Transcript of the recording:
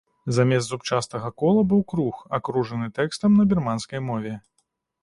Замест зубчастага кола быў круг, акружаны тэкстам на бірманскай мове.